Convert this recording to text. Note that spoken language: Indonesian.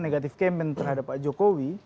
negatif campaign terhadap pak jokowi